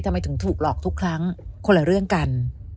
ทำไมถึงถูกหลอกทุกครั้งคนละเรื่องกัน